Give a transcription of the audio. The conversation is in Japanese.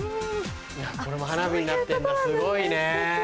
これも花火になってんだすごいね。